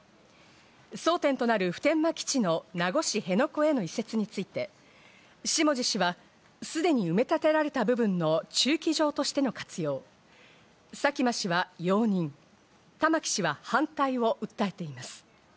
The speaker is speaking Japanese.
争点となる普天間基地の名護市辺野古への移設について、下地氏はすでに埋め立てられた部分の駐機場としての活用、佐喜真氏は容認、玉城氏は反対を訴えています。